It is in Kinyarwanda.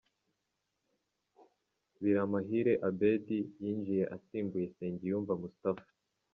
Biramahire Abeddy yinjiye asimbuye Nsengiyumva Moustapha